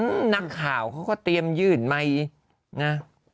อืมนักข่าวเขาก็เตรียมยืนใหม่นะ